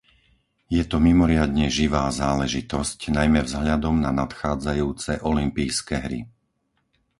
Je to mimoriadne živá záležitosť, najmä vzhľadom na nadchádzajúce olympijské hry.